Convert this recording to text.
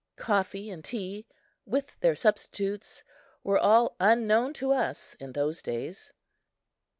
Coffee and tea, with their substitutes, were all unknown to us in those days.